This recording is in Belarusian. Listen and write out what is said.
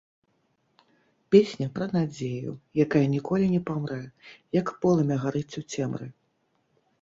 Песня пра надзею, якая ніколі не памрэ, як полымя гарыць у цемры.